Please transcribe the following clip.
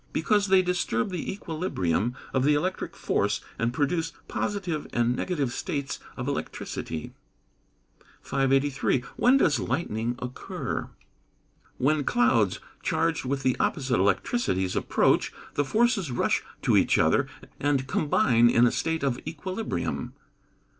_ Because they disturb the equilibrium of the electric force, and produce positive and negative states of electricity. 583. When does lightning occur? When clouds, charged with the opposite electricities approach, the forces rush to each other, and combine in a state of equilibrium.